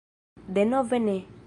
Denove ne!